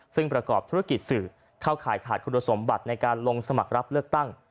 ซึ่งประกอบธุรกิจสื่อเข้าข่ายขาดคุณสมบัติในการลงสมัครรับเลือกตั้ง